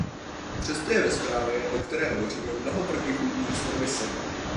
Přesto je ve zprávě, o které hovoříme, mnoho protichůdných stanovisek.